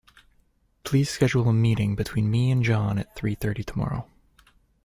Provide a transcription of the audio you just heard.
Please schedule a meeting between me and John at three thirty tomorrow.